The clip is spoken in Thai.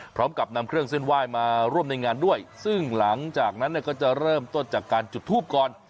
พร้อมกับนำเครื่องเส้นไหว้มาร่วมในงานด้วยซึ่งหลังจากนั้นก็จะเริ่มต้นจากการจุดทูปก่อน